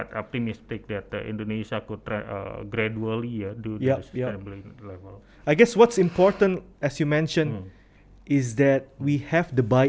tapi selama anda memulai dengan titik mulut yang baik